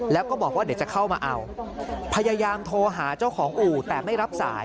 แล้วก็บอกว่าเดี๋ยวจะเข้ามาเอาพยายามโทรหาเจ้าของอู่แต่ไม่รับสาย